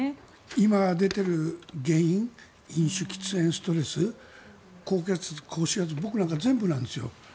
今、出ている原因飲酒、喫煙、ストレス高血圧、高脂血症僕なんか全部なんですよ。